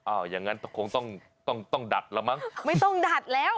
อ้าวอย่างงั้นต้องต้องต้องต้องดัดแล้วมั้งไม่ต้องดัดแล้ว